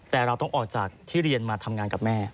แต่เราต้องออกจากที่เรียนมาทำงานกับแม่